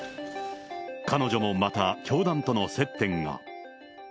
彼女もまた教団との接点が。